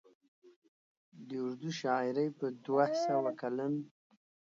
د اردو شاعرۍ په دوه سوه کلن